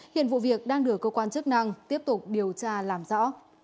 hiện vụ việc đang được cơ quan chức năng tiếp tục điều tra làm rõ